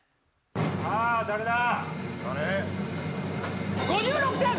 さぁ誰だ？